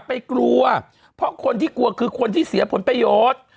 ไปกลัวเพราะคนที่กลัวคือคนที่เสียผลประโยชน์